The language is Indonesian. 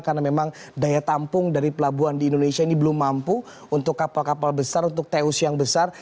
karena memang daya tampung dari pelabuhan di indonesia ini belum mampu untuk kapal kapal besar untuk teus yang besar